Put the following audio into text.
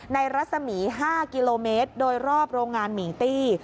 รัศมี๕กิโลเมตรโดยรอบโรงงานหมิงตี้